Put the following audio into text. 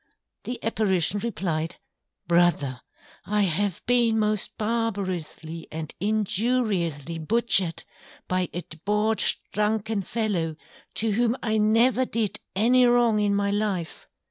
_ The Apparition replied, _Brother, I have been most barbarously and injuriously Butchered, by a Debauched Drunken Fellow, to whom I never did any wrong in my Life.